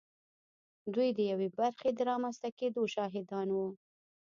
دوی د یوې برخې د رامنځته کېدو شاهدان وو